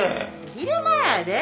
昼間やで。